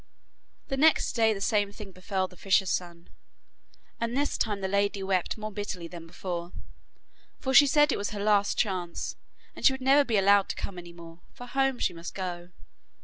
The next day the same thing befell the fisher's son, and this time the lady wept more bitterly than before, for she said it was the last chance, and she would never be allowed to come any more, for home she must go.